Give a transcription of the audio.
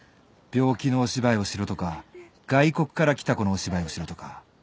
病気のお芝居をしろとか外国から来た子のお芝居をしろとか。